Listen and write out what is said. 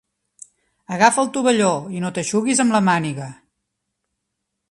Agafa el tovalló i no t'eixuguis amb la màniga.